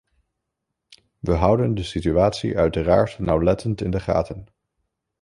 We houden de situatie uiteraard nauwlettend in de gaten.